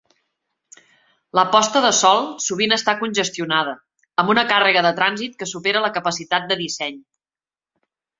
La posta de sol sovint està congestionada, amb una càrrega de trànsit que supera la capacitat de disseny.